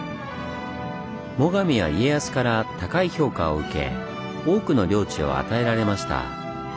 最上は家康から高い評価を受け多くの領地を与えられました。